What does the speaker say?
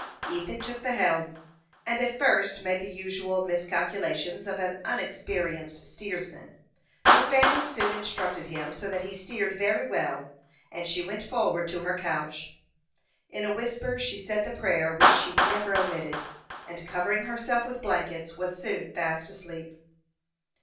Ethan took the helm, and at first made the usual miscalculations of an unexperienced steersman; but Fanny soon instructed him so that he steered very well, and she went forward to her couch. In a whisper she said the prayer which she never omitted, and covering herself with blankets, was soon fast asleep.